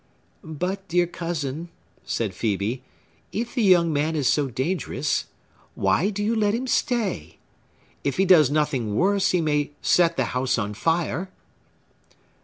"But, dear cousin," said Phœbe, "if the young man is so dangerous, why do you let him stay? If he does nothing worse, he may set the house on fire!"